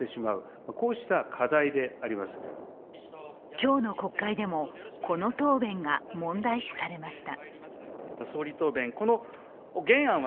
今日の国会でもこの答弁が問題視されました。